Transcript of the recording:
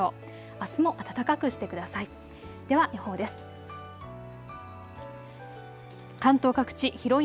あすも暖かくしてください。